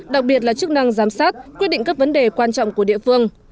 đặc biệt là chức năng giám sát quyết định các vấn đề quan trọng của địa phương